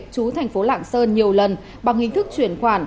chú thành phố lạng sơn nhiều lần bằng hình thức chuyển khoản